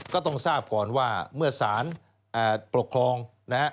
ก็ต้องทราบก่อนว่าเมื่อสารปกครองนะฮะ